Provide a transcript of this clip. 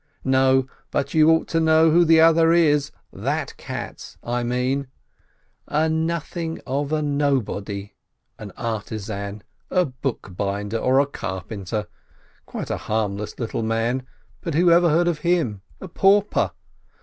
No, but you ought to know who the other is, that Katz, I mean ! A nothing of a nobody, an artisan, a bookbinder or a carpenter, quite a harmless little man, but who ever heard of him? A pauper!